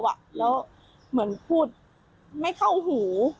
แล้วเหมือนพูดไม่เข้าหู